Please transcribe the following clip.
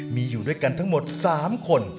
มีอยู่ด้วยกันทั้งหมด๓คน